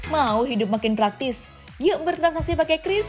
mau hidup makin praktis yuk bertransaksi pakai kris